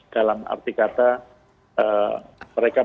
dalam arti kata mereka